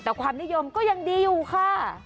แต่ความนิยมก็ยังดีอยู่ค่ะ